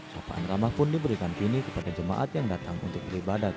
sofaan ramah pun diberikan vini kepada jemaat yang datang untuk beribadat